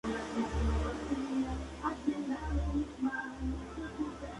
Riojano, fue diputado por Logroño en cuatro legislaturas.